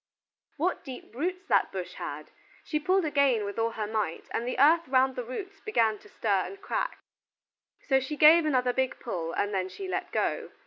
What deep roots that bush had! She pulled again with all her might, and the earth round the roots began to stir and crack, so she gave another big pull, and then she let go.